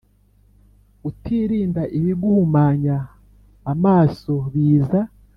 utirinda ibiguhumanya amaso biza